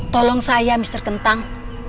tolong saya mister kentang